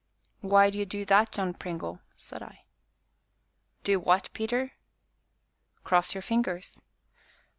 "Why do you do that, John Pringle?" said I. "Do what, Peter?" "Cross your fingers."